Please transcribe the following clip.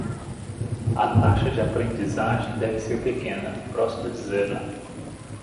A taxa de aprendizagem deve ser pequena, próxima de zero.